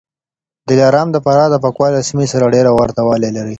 دلارام د فراه د بکواه له سیمې سره ډېر ورته والی لري